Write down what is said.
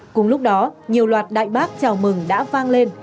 cùng lúc đó nhiều loạt đại bác chào mừng đã vang lên